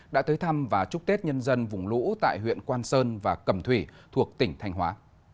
đã tới thăm và chúc tết nhân dân vùng lũ tại huyện quan sơn và cầm thủy thuộc tỉnh thanh hóa